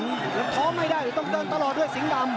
ยังท้อไม่ได้ต้องเดินตลอดด้วยสิงห์ดำ